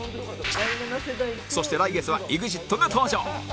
そして来月は ＥＸＩＴ が登場